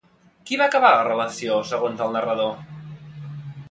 Qui va acabar la relació, segons el narrador?